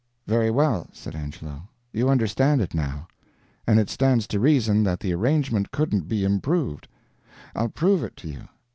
"Very well," said Angelo, "you understand it now. And it stands to reason that the arrangement couldn't be improved. I'll prove it to you.